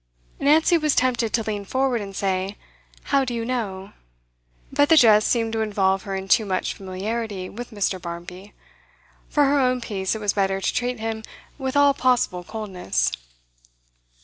Nancy was tempted to lean forward and say, 'How do you know?' But the jest seemed to involve her in too much familiarity with Mr Barmby; for her own peace it was better to treat him with all possible coldness.